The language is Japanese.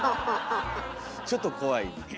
ちょっと怖い。